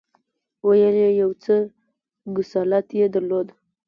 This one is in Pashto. ویل یې یو څه کسالت یې درلود.